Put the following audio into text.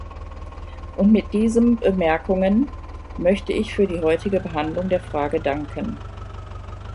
Und mit diesem Bemerkungen möchte ich für die heutige Behandlung der Frage danken.